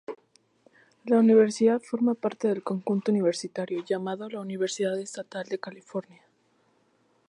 La universidad forma parte del conjunto universitario llamado la Universidad Estatal de California.